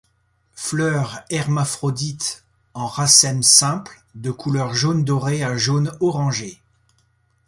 Fleurs hermaphrodites en racèmes simples, de couleur jaune doré à jaune orangé.